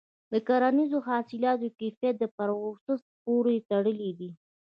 د کرنیزو حاصلاتو کیفیت د پروسس پورې تړلی دی.